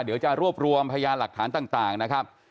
เดี๋ยวจะรวบรวมพยานหลักฐานต่างนะครับ